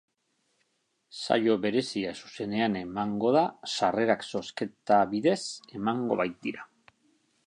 Saio berezia zuzenean emango da sarrerak zozketa bidez emango baitira.